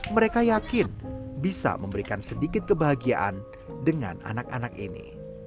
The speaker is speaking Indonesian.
mereka yakin bisa memberikan sedikit kebahagiaan dengan anak anak ini